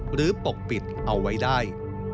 หรือปกปิดเอาไว้ได้